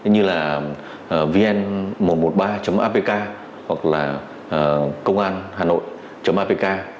như là vn một trăm một mươi ba apk hoặc là cônganhanoi apk